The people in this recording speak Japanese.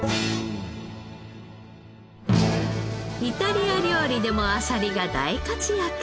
イタリア料理でもあさりが大活躍。